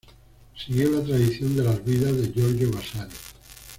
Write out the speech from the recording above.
Siguió la tradición de las "Vidas" de Giorgio Vasari.